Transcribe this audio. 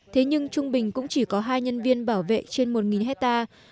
thế nhưng trung bình cũng chỉ có hai nhân viên bảo vệ trên một hectare